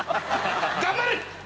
頑張れ！